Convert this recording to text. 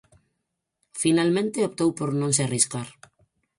Finalmente optou por non se arriscar.